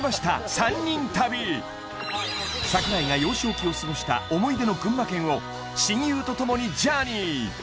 ３人旅櫻井が幼少期を過ごした思い出の群馬県を親友とともにジャーニー！